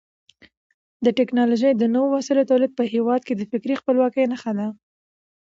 د ټکنالوژۍ د نویو وسایلو تولید په هېواد کې د فکري خپلواکۍ نښه ده.